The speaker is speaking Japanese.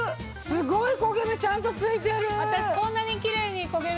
すごい焦げ目ちゃんとついてる！